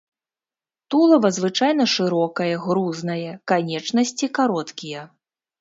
Тулава звычайна шырокае, грузнае, канечнасці кароткія.